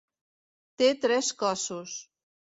Té tres cossos.